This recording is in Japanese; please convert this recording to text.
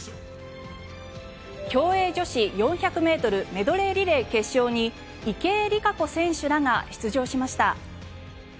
競泳女子４００ｍメドレーリレー決勝に池江璃花子選手らが出場しました。